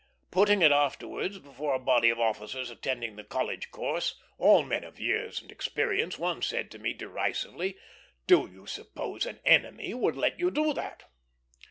Putting it afterwards before a body of officers attending the College course, all men of years and experience, one said to me, derisively, "Do you suppose an enemy would let you do that?"